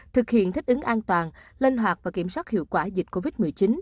thực hiện thích ứng an toàn linh hoạt và kiểm soát hiệu quả dịch covid một mươi chín